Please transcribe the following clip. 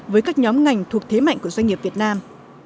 với các nhóm ngành thuộc thế mạnh của doanh nghiệp việt nam